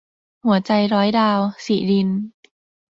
หัวใจร้อยดาว - สิริณ